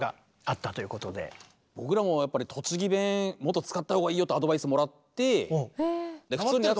僕らもやっぱり栃木弁もっと使ったほうがいいよってアドバイスもらって。